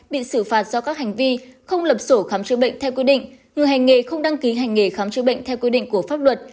bị xử phạt do các hành vi không lập sổ khám chữa bệnh theo quy định người hành nghề không đăng ký hành nghề khám chữa bệnh theo quy định của pháp luật